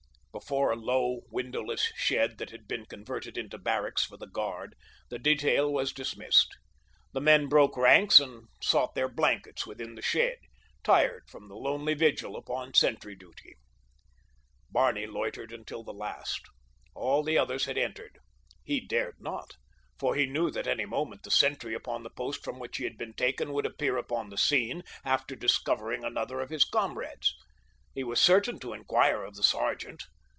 Before a low, windowless shed that had been converted into barracks for the guard, the detail was dismissed. The men broke ranks and sought their blankets within the shed, tired from their lonely vigil upon sentry duty. Barney loitered until the last. All the others had entered. He dared not, for he knew that any moment the sentry upon the post from which he had been taken would appear upon the scene, after discovering another of his comrades. He was certain to inquire of the sergeant.